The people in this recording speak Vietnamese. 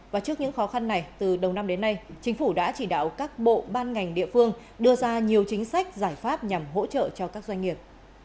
và trước những khó khăn này từ đầu năm đến nay chính phủ đã chỉ đạo các bộ ban ngành địa phương đưa ra nhiều chính sách giải pháp nhằm hỗ trợ cho các doanh nghiệp